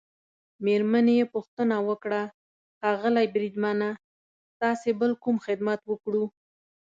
مېرمنې يې پوښتنه وکړه: ښاغلی بریدمنه، ستاسي بل کوم خدمت وکړو؟